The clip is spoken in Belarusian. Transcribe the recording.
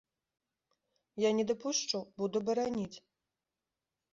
Я не дапушчу, буду бараніць.